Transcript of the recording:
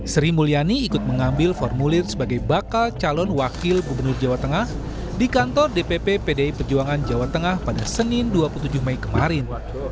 sri mulyani ikut mengambil formulir sebagai bakal calon wakil gubernur jawa tengah di kantor dpp pdi perjuangan jawa tengah pada senin dua puluh tujuh mei kemarin